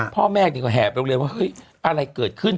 พ่อแม่นี่ก็แห่ไปโรงเรียนว่าเฮ้ยอะไรเกิดขึ้น